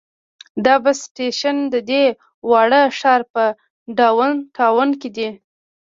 دا بس سټیشن د دې واړه ښار په ډاون ټاون کې دی.